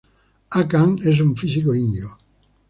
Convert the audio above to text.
A. Khan, es un físico indio.